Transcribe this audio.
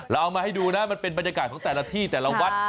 เอามาให้ดูนะมันเป็นบรรยากาศของแต่ละที่แต่ละวัด